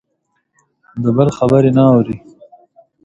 د بل خبرې نه اوري.